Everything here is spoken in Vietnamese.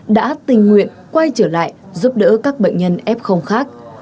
đã tình nguyện quay trở lại giúp đỡ các bệnh nhân f khác